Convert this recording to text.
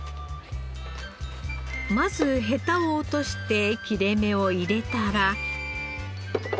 まずヘタを落として切れ目を入れたら。